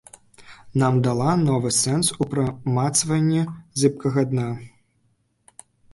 Нам дала новы сэнс у прамацванні зыбкага дна.